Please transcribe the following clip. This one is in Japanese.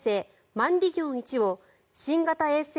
マンリギョン１を新型衛星